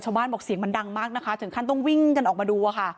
ชาวบ้านบอกเสียงมันดังมากนะคะเสร็จขั้นต้องวิ่งจนออกมาดูค่ะ